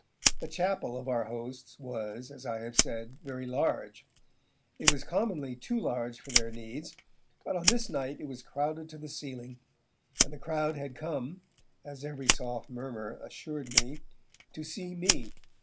The chapel of our hosts was, as I have said, very large; it was commonly too large for their needs, but on this night it was crowded to the ceiling, and the crowd had come as every soft murmur assured me to see me.